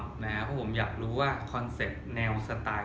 เพราะผมอยากรู้ว่าคอนเซ็ปต์แนวสไตล์